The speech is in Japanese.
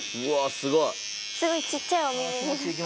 すごい小っちゃいお耳。